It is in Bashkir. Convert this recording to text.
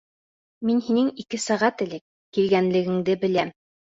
Мин һинең ике сәғәт элек килгәнлегеңде беләм.